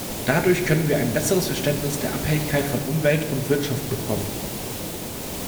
Dadurch können wir ein besseres Verständnis der Abhängigkeit von Umwelt und Wirtschaft bekommen.